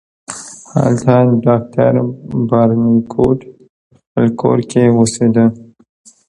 هلته ډاکټر بارنیکوټ په خپل کور کې اوسیده.